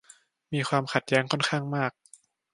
มีความขัดแย้งค่อนข้างมาก